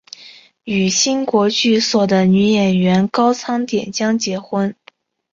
与新国剧所的女演员高仓典江结婚。